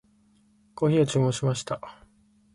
コーヒーを注文しました。